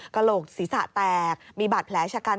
กระโหลกศีรษะแตกมีบาดแผลชะกัน